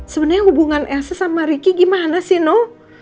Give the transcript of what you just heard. sebenernya hubungan elsa sama riki gimana sih no